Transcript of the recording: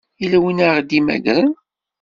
Yella win ara ɣ-d-imagren?